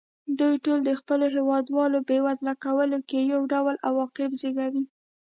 دوی ټول د خپلو هېوادوالو بېوزله کولو کې یو ډول عواقب زېږوي.